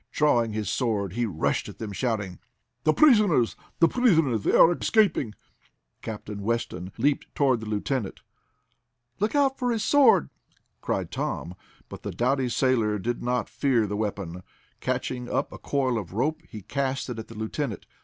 Drawing his sword, he rushed at them, shouting: "The prisoners! The prisoners! They are escaping!" Captain Weston leaped toward the lieutenant. "Look out for his sword!" cried Tom. But the doughty sailor did not fear the weapon. Catching up a coil of rope, he cast it at the lieutenant.